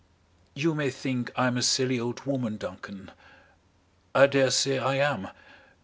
"You may think I'm a silly old woman, Duncan. I dare say I am.